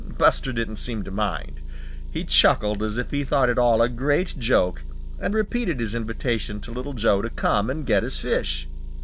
Buster didn't seem to mind. He chuckled as if he thought it all a great joke and repeated his invitation to Little Joe to come and get his fish.